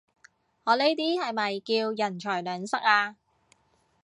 我呢啲係咪叫人財兩失啊？